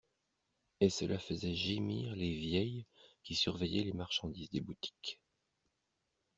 Et cela faisait gémir les vieilles qui surveillaient les marchandises des boutiques.